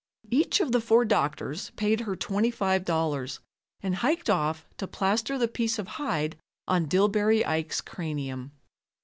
_] Each of the four doctors paid her $25 and hiked off to plaster the piece of hide on Dillbery Ike's cranium.